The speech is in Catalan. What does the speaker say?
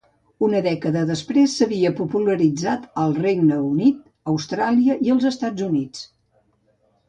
Una dècada després s'havia popularitzat al Regne Unit, Austràlia i els Estats Units.